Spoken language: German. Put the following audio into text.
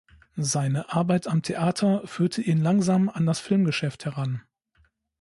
Seine Arbeit am Theater führte ihn langsam an das Filmgeschäft heran.